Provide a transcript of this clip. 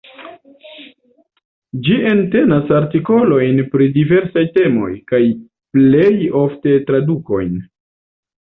Ĝi entenas artikolojn pri diversaj temoj, kaj plej ofte tradukojn.